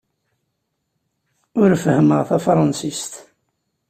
Ur fehhmeɣ tafṛensist.